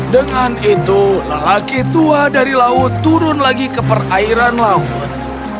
dengan itu lelaki tua dari laut turun lagi ke perairan laut